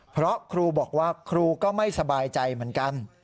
เพราะครูบอกว่าครูก็ไม่สบายใจเหมือนกัน